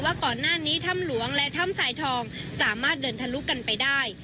ว่าก่อนหน้านี้ถ้ำหลวงและถ้ำสายทองสามารถเดินทะลุกันไปได้